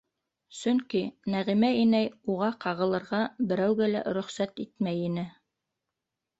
Сөнки Нәғимә инәй уға ҡағылырға берәүгә лә рөхсәт итмәй ине.